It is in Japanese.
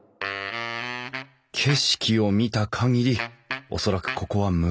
景色を見た限り恐らくここは昔からの農村。